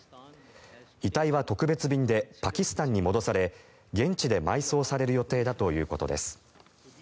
遺体は特別便でパキスタンに戻され現地で埋葬される予定だということです。